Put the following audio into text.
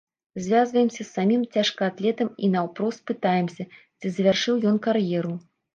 Звязваемся з самім цяжкаатлетам і наўпрост пытаемся, ці завяршыў ён кар'еру.